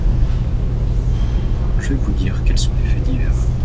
Je vais vous dire quels sont les faits divers.